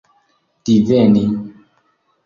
diveni